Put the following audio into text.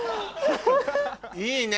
いいね！